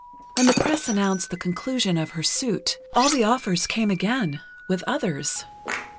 When the press announced the conclusion of her suit, all the offers came again, with others.